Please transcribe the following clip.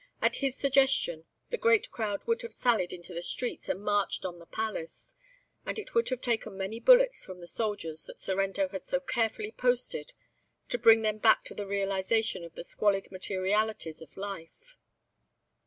At his suggestion the great crowd would have sallied into the streets and marched on the palace; and it would have taken many bullets from the soldiers that Sorrento had so carefully posted to bring them back to the realisation of the squalid materialities of life.